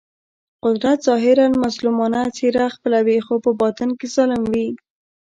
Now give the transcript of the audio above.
قدرت ظاهراً مظلومانه څېره خپلوي خو په باطن کې ظالم وي.